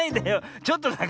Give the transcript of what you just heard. ちょっとだから。